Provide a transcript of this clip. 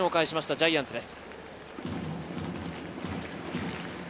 ジャイアンツです。